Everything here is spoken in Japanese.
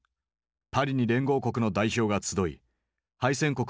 パリに連合国の代表が集い敗戦国